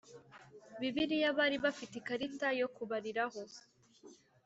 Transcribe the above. Bibiliya bari bafite ikarita yo kubariraho